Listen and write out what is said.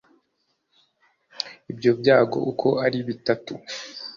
Ibyo byago uko ari bitatu